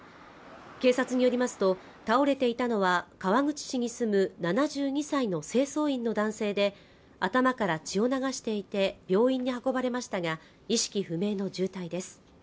警察によりますと倒れていたのは川口市に住む７２歳の清掃員の男性で頭から血を流していて病院に運ばれましたが意識不明の重体です